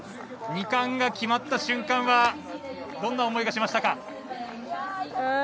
２冠が決まった瞬間はどんな思いがしましたか。